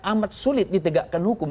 amat sulit ditegakkan hukum